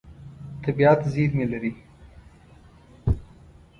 طبیعت زېرمې لري.